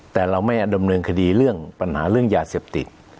แต่เราไม่ดำเนินคดีเรื่องปัญหาเรื่องยาเสพติด